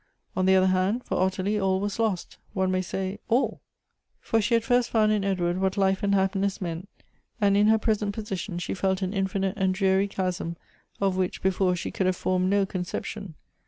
On the other hand, for Ottilie all was lost — one may say, all; for she had first 142 Goethe's found in Edward what life and happiness meant; and, in her present position, she felt an infinite and dreary chasm of which before she could have formed no conception.